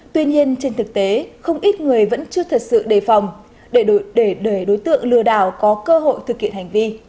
tuy nhiên trên thực tế không ít người vẫn chưa thật sự đề phòng để đối tượng lừa đảo có cơ hội thực hiện hành vi